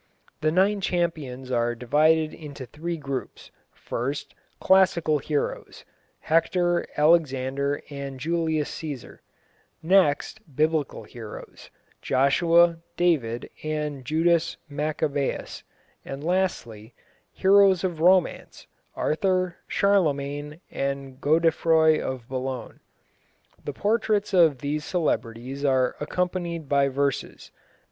The nine champions are divided into three groups: first, classical heroes Hector, Alexander and Julius Cæsar; next, Biblical heroes Joshua, David and Judas Maccabæus; and lastly, heroes of romance Arthur, Charlemagne and Godefroi of Boulogne. The portraits of these celebrities are accompanied by verses.